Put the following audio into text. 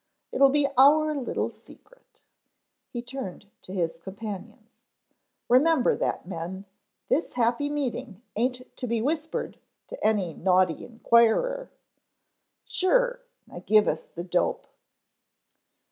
It'll be our little secret." He turned to his companions. "Remember that, men, this happy meeting aint to be whispered to any naughty inquirer." "Sure. Now, give us the dope."